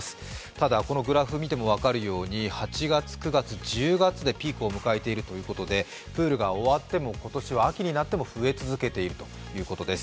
ただこのグラフを見ても分かるように８月、９月、１０月でピークを迎えているということで夏が終わって秋になっても増え続けているということです。